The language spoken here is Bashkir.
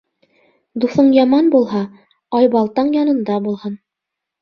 Дуҫың яман булһа, айбалтаң янында булһын.